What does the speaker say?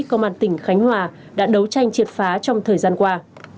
công an tỉnh khánh hòa đã đấu tranh triệt phá trong thời gian qua